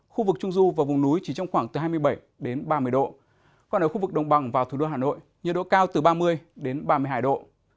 khu vực trung du và vùng núi chỉ trong khoảng từ hai mươi bảy ba mươi độ còn ở khu vực đồng bằng và thủ đô hà nội nhiệt độ cao từ ba mươi đến ba mươi hai độ